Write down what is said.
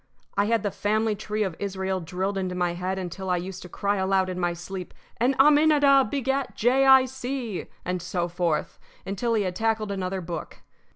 I had the family tree of Israel drilled into my head until I used to cry aloud in my sleep: "And Aminadab begat Jay Eye See," and so forth, until he had tackled another book.